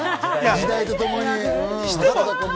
時代とともに。